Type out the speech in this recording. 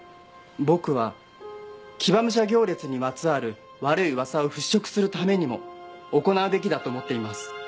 僕は騎馬武者行列にまつわる悪い噂を払拭するためにも行うべきだと思っています。